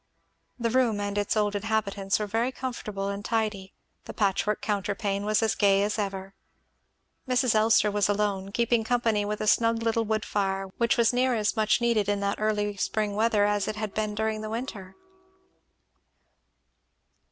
The room and its old inhabitants were very comfortable and tidy; the patchwork counterpane as gay as ever. Mrs. Elster was alone, keeping company with a snug little wood fire, which was near as much needed in that early spring weather as it had been during the winter.